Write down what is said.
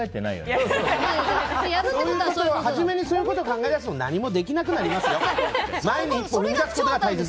初めにそういうことを考え出すと何もできなくなりますよ。